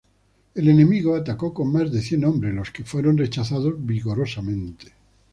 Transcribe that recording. El enemigo atacó con más de cien hombres, los que fueron rechazados vigorosamente.